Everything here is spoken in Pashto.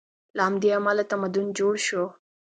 له همدې امله تمدن جوړ شو.